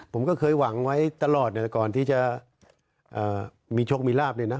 ผมก็เคยหวังไว้ตลอดก่อนที่จะมีโชคมีลาบเนี่ยนะ